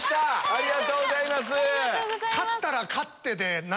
ありがとうございます。